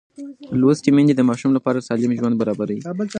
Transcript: لوستې میندې د ماشوم لپاره سالم ژوند برابروي.